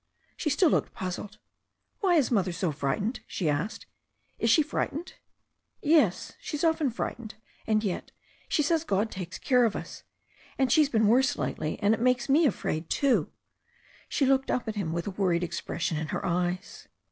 She still looked puzzled. Why is Mother so frightened?" she asked. 'Is she frightened?" Yes, she's often frightened, and yet she says God takes care of us. And she's been worse lately, and it makes me afraid too." She looked up at him with a worried expres* sion in her eyes.